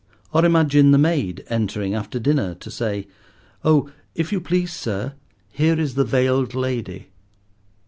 Or imagine the maid entering after dinner to say— "Oh, if you please, sir, here is the veiled lady."